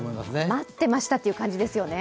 待ってましたという感じですよね。